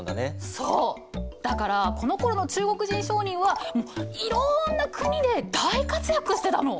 そうだからこのころの中国人商人はいろんな国で大活躍してたの！